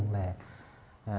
là sinh sống